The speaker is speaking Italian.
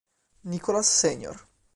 Nicholas Sr.